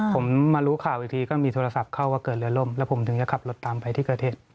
ผมมารู้ข่าวอีกทีก็มีโทรศัพท์เข้าว่าเกิดเรือล่มแล้วผมถึงจะขับรถตามไปที่เกิดเหตุ